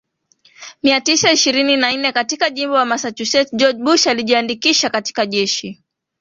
mia tisa ishirini na nne katika jimbo la Massachusetts George Bush alijiandikisha katika Jeshi